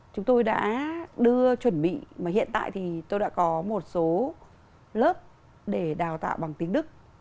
chúng tôi đã đưa chuẩn bị mà hiện tại thì tôi đã có một số lớp để đào tạo bằng tiếng đức